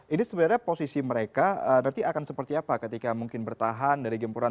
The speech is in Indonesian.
ini sebenarnya posisi mereka nanti akan seperti apa ketika mungkin bertahan dari gempuran